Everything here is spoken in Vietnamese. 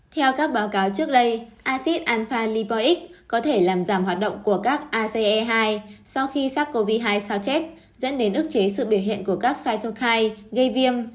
theo các báo cáo trước đây acid alpha lipoic có thể làm giảm hoạt động của các ace hai sau khi sars cov hai sao chép dẫn đến ức chế sự biểu hiện của các cytokine gây viêm